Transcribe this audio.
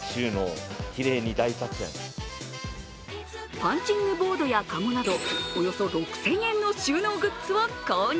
パンチングボードや籠などおよそ６０００円の収納グッズを購入。